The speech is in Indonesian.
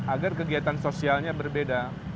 agar kegiatan sosialnya berbeda